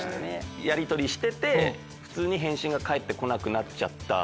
やりとりしてて返信が返って来なくなっちゃった。